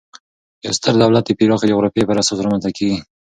یو ستر دولت د پراخي جغرافیې پر اساس رامنځ ته کیږي.